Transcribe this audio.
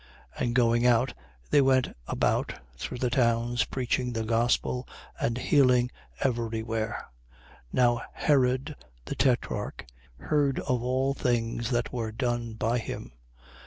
9:6. And going out, they went about through the towns, preaching the gospel and healing every where. 9:7. Now Herod, the tetrarch, heard of all things that were done by him.